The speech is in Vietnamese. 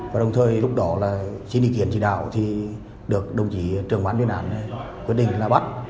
và đồng thời lúc đó là xin ý kiến chỉ đạo thì được đồng chí trưởng bán chuyên án quyết định là bắt